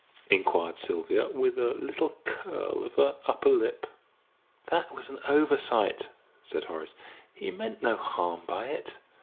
inquired Sylvia, with a little curl of her upper lip. "That was an oversight," said Horace; "he meant no harm by it.